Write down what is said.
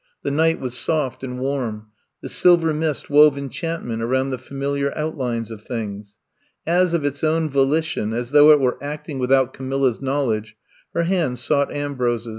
The night was soft and warm. The silver mist wove enchantment around the familiar outlines of things. As of its own volition, as though it were acting without Camilla 's knowledge, her hand sought Ambrose's.